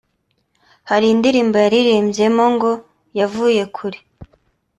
Hari indirimbo yaririmbyemo ngo yavuye kure